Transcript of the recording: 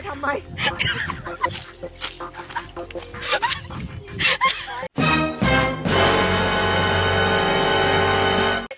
ทำไม